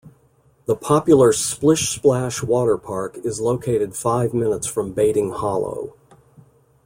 The popular Splish Splash Water Park is located five minutes from Baiting Hollow.